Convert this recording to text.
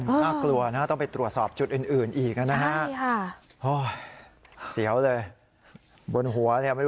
น่ากลัวนะต้องไปตรวจสอบจุดอื่นอีกนะฮะ